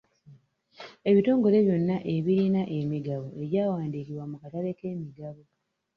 Ebitongole byonna ebirina emigabo egyawandiikibwa mu katale k'emigabo.